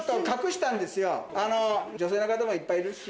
女性の方もいっぱいいるし。